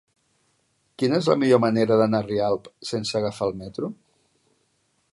Quina és la millor manera d'anar a Rialp sense agafar el metro?